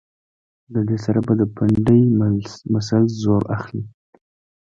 د دې سره به د پنډۍ مسلز زور اخلي